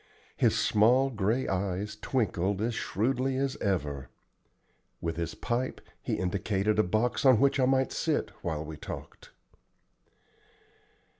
His small gray eyes twinkled as shrewdly as ever. With his pipe he indicated a box on which I might sit while we talked.